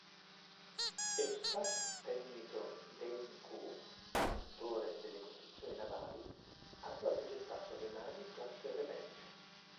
Eustace Tennyson-D'Eyncourt, Direttore delle costruzioni navali, aveva progettato le navi classe Revenge.